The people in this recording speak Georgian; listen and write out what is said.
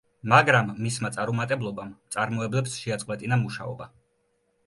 მაგრამ მისმა წარუმატებლობამ მწარმოებლებს შეაწყვეტინა მუშაობა.